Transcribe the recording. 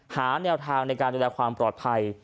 หาแนวทางในการดูแลความปลอดภัย